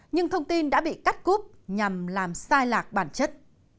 nhưng thông tin đã bị cắt cúp nhằm làm sai lạc bản chất